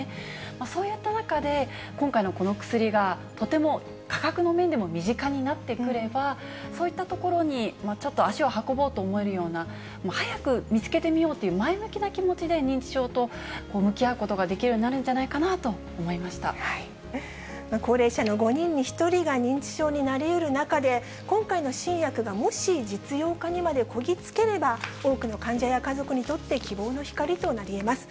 そういった中で、今回この薬がとても価格の面でも身近になってくれば、そういったところにちょっと足を運ぼうと思えるような、早く見つけてみようという前向きな気持ちで、認知症と向き合うことができるようになるんじゃないかなと思いま高齢者の５人に１人が認知症になりうる中で、今回の新薬がもし実用化にまでこぎ着ければ、多くの患者や家族にとって、希望の光となりえます。